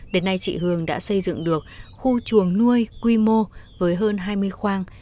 đến nay chị hường đã xây dựng được khu chuồng nuôi quy mô với hơn hai mươi khoang